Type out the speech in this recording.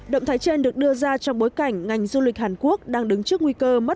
động thái trên được đưa ra trong bối cảnh ngành du lịch hàn quốc đang đứng trước nguy cơ mất